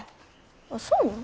あっそうなん？